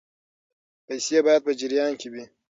پیسې باید په جریان کې وي.